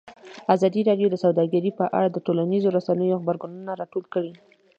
ازادي راډیو د سوداګري په اړه د ټولنیزو رسنیو غبرګونونه راټول کړي.